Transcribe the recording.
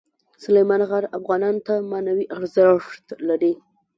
سلیمان غر افغانانو ته معنوي ارزښت لري.